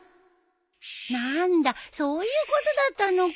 何だそういうことだったのか。